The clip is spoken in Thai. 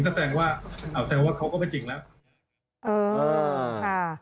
ก็แสงว่าเขาก็ไม่จริงแล้ว